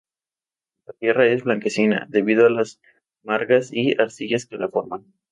La tierra es blanquecina, debido a las margas y arcillas que la forman.